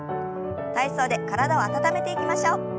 体操で体を温めていきましょう。